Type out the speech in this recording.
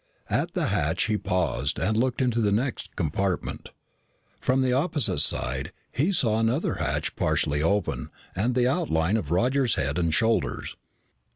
At the hatch he paused and looked into the next compartment. From the opposite side, he saw another hatch partially open and the outline of Roger's head and shoulders.